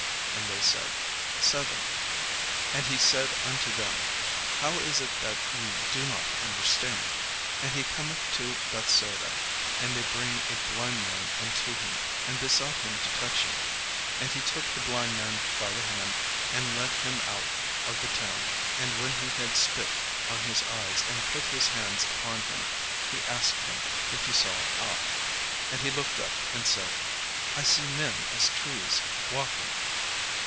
And they said, "Seven." And he said unto them, "How is it that ye do not understand?" And he cometh to Bethsaida; and they bring a blind man unto him, and besought him to touch him. And he took the blind man by the hand, and led him out of the town; and when he had spit on his eyes, and put his hands upon him, he asked him if he saw ought. And he looked up, and said: "I see men as trees, walking."